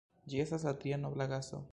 Ĝi estas la tria nobla gaso.